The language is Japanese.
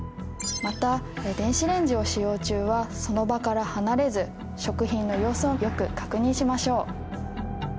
また電子レンジを使用中はその場から離れず食品の様子をよく確認しましょう。